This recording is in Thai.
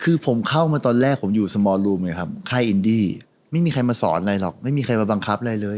คือผมเข้ามาตอนแรกผมอยู่สมอร์ลูมไงครับค่ายอินดี้ไม่มีใครมาสอนอะไรหรอกไม่มีใครมาบังคับอะไรเลย